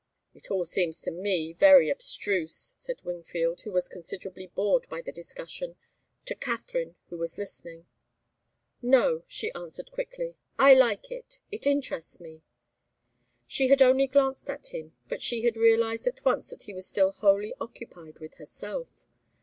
"It all seems to me very abstruse," said Wingfield, who was considerably bored by the discussion, to Katharine, who was listening. "No," she answered, quickly. "I like it. It interests me." She had only glanced at him, but she had realized at once that he was still wholly occupied with herself.